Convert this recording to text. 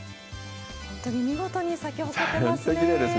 本当に見事に咲き誇ってますね。